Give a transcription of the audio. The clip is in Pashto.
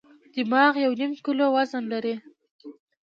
دماغ یو نیم کیلو وزن لري.